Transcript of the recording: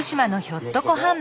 ひょっとこ。